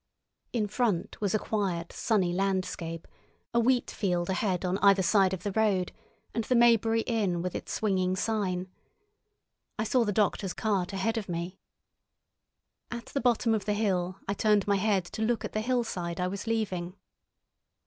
In front was a quiet sunny landscape, a wheat field ahead on either side of the road, and the Maybury Inn with its swinging sign. I saw the doctor's cart ahead of me. At the bottom of the hill I turned my head to look at the hillside I was leaving.